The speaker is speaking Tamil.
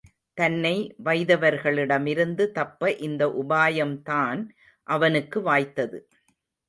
தன்னை வைதவர்களிடமிருந்து தப்ப இந்த உபாயம்தான் அவனுக்கு வாய்த்தது.